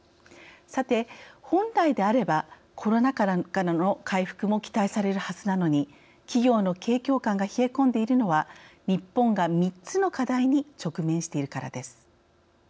さて、本来であればコロナ禍からの回復も期待されるはずなのに企業の景況感が冷え込んでいるのは日本が３つの課題に直面しているからです。